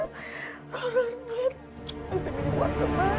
masih minum uang kemana